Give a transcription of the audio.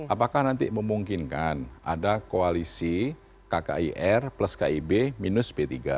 apakah nanti memungkinkan ada koalisi kkir plus kib minus p tiga